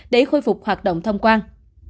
để khôi phục hoạt động thông quan